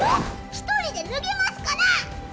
一人で脱げますから！